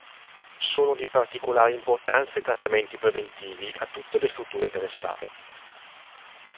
Sono di particolare importanza i trattamenti preventivi a tutte le strutture interessate.